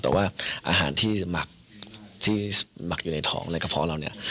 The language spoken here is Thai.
แต่ว่าอาหารที่หมักที่หมักอยู่ในท้องในกระเพาะเราเนี่ย